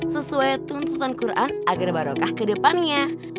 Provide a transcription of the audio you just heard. sesuai tuntutan quran agar barokah kedepannya